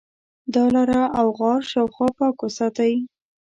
د ا لاره او غار شاوخوا پاک وساتئ.